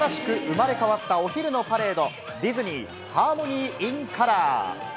５年ぶりに新しく生まれ変わったお昼のパレード、ディズニー・ハーモニー・イン・カラー。